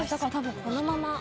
このまま。